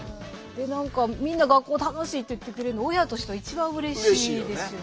何かみんな学校楽しいって言ってくれるの親としては一番うれしいですよね。